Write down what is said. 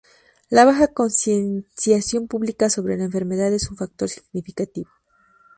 La baja concienciación pública sobre la enfermedad es un factor significativo.